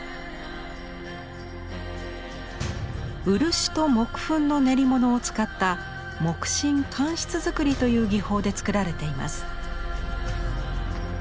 漆と木粉の練り物を使ったという技法でつくられています。